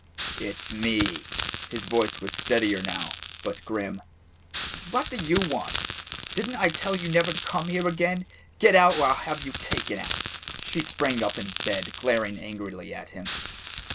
"It 's me." His voice was steadier now, but grim. "What do you want? Did n't I tell you never to come here again? Get out or I 'll have you taken out." She sprang up in bed, glaring angrily at him.